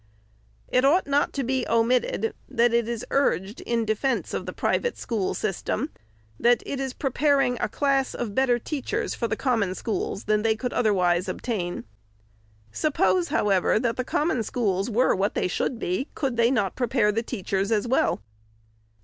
It ought not to be omitted, that it is urged, in defence of the private school system, that it is preparing a class of better teachers for the Common Schools than they could otherwise obtain. Suppose, however, that the Common Schools were what they should be, could not they prepare the teachers as well